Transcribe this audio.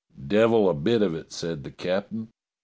"Devil a bit of it!" said the captain.